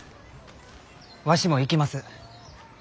わしも行きます。